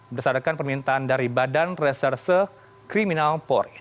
bersadarkan permintaan dari badan reserse kriminal pori